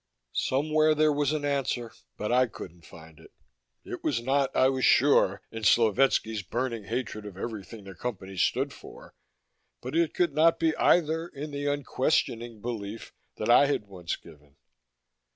Somewhere there was an answer, but I couldn't find it. It was not, I was sure, in Slovetski's burning hatred of everything the Company stood for. But it could not be, either, in the unquestioning belief that I had once given.